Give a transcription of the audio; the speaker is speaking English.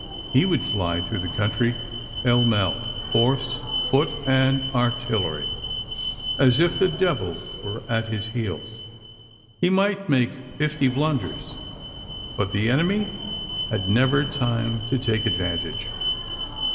He would fly through the country pell mell, horse, foot, and artillery, as if the devil were at his heels. He might make fifty blunders, but the enemy had never time to take advantage.